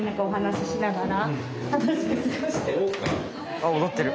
あっ踊ってる。